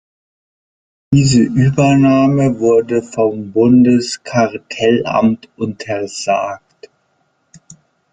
Diese Übernahme wurde vom Bundeskartellamt untersagt.